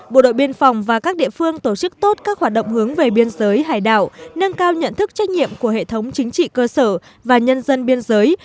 bộ đội biên phòng và các địa phương tổ chức tốt các hoạt động hướng về biên giới hải đảo nâng cao nhận thức trách nhiệm của hệ thống chính trị cơ sở và nhân dân biên giới